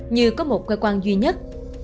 như có một cơ quan duy nhất